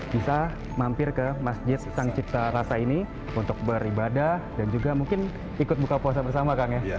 bisa mampir ke masjid sang cipta rasa ini untuk beribadah dan juga mungkin ikut buka puasa bersama kang ya